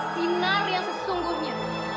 sinar yang sesungguhnya